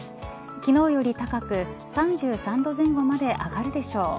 昨日より高く３３度前後まで上がるでしょう。